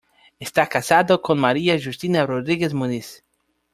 Está casado con María Justina Rodríguez Muniz.